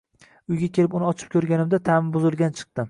Uyga kelib uni ochib ko‘rganimda ta’mi buzilgan chiqdi.